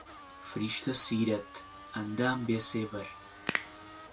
فریشتە سیرەت، ئەندام بێسێبەر